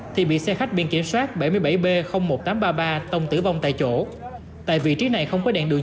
thì bị xe khách biển kiểm soát bảy mươi bảy b một nghìn tám trăm ba mươi ba tông tử vong tại chỗ tại vị trí này không có đèn đường